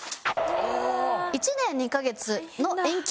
１年２カ月の延期。